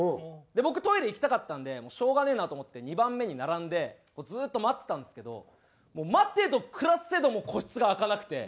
僕トイレ行きたかったんでもうしょうがねえなと思って２番目に並んでずっと待ってたんですけど待てど暮らせど個室が空かなくて。